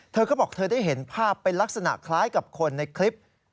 เธอก็บอกเธอได้เห็นภาพเป็นลักษณะคล้ายกับคนในคลิป